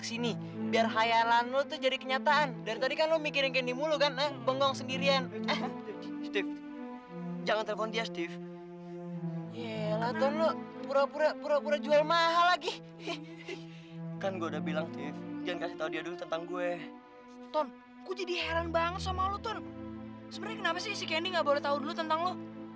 sebenernya kenapa sih si candy gak boleh tau dulu tentang lo